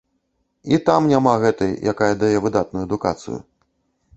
І там няма гэтай, якая дае выдатную адукацыю.